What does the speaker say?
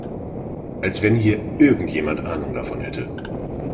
Als wenn hier irgendjemand Ahnung davon hätte!